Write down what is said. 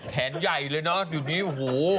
แขนใหญ่เลยเดี๋ยวนี้หู